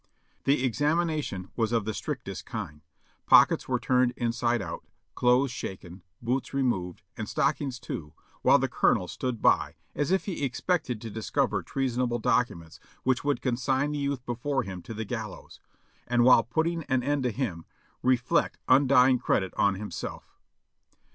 The examination was of the strictest kind ; pockets were turned inside out, clothes shaken, boots removed, and stockings too, while the colonel stood by as if he expected to discover treasonable documents which would consign the youth before him to the gallows ; and while putting an end to him, reflect undying credit on himself.